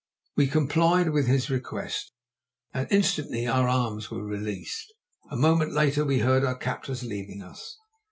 We complied with his request, and instantly our arms were released; a moment later we heard our captors leaving us.